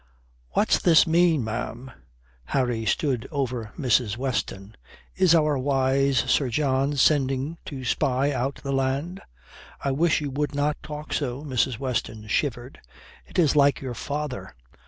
"What's this mean, ma'am?" Harry stood over Mrs. Weston. "Is our wise Sir John sending to spy out the land?" "I wish you would not talk so." Mrs. Weston shivered. "It is like your father.